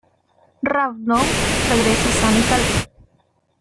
Rawdon regresa sano y salvo.